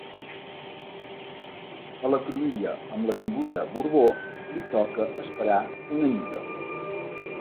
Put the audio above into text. A la cruïlla amb l'Avinguda Borbó li toca esperar una mica.